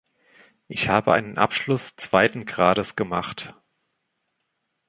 Ich habe einen Abschluss zweiten Grades gemacht.